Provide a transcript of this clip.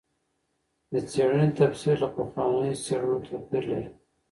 د څېړنې تفسیر له پخوانیو څېړنو توپیر لري.